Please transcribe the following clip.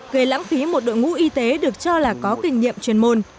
gây lãng phí một đội ngũ y tế được cho là có kinh nghiệm chuyên môn